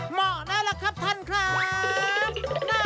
เหมาะได้แหละครับท่านครับน่ารักอ่ะ